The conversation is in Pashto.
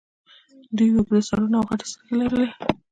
دوی اوږده سرونه او غټې سترګې لرلې